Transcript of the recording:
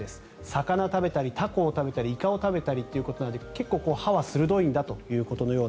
魚を食べたりタコを食べたりイカを食べたりということなので結構歯は鋭いんだと。